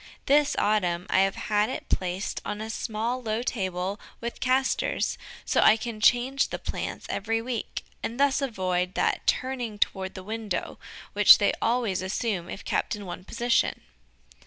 This autumn I have had it placed on a small, low table with castors, so I can change the plants every week, and thus avoid that turning toward the window which they always assume if kept in one position.